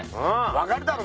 分かるだろ？